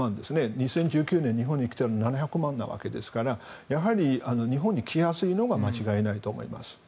２０１９年、日本に来たのが７００万人なわけですから日本に来やすいのは間違いないと思います。